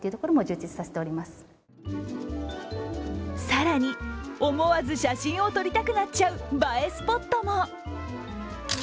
更に、思わず写真を撮りたくなっちゃう映えスポットも。